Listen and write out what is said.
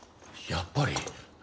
やっぱり。